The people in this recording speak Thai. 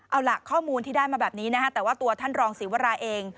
เอาล่ะข้อมูลที่ได้มาแบบนี้นะฮะแต่ว่าตัวท่านรองศรีวราเอง